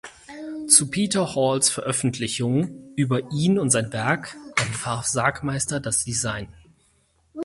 Zu Peter Halls Veröffentlichung über ihn und sein Werk entwarf Sagmeister das Design.